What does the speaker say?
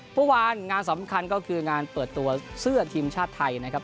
เมื่อวานงานสำคัญก็คืองานเปิดตัวเสื้อทีมชาติไทยนะครับ